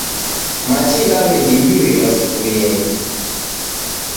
Machi ghaw'edingirilwa sufurienyi.